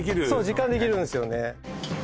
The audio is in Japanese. そうそう実感できるんですよね